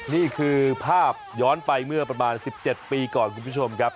นี่คือภาพย้อนไปเมื่อประมาณ๑๗ปีก่อนคุณผู้ชมครับ